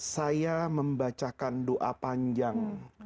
saya membacakan doa panjang